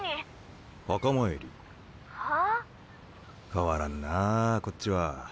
変わらんなあこっちは。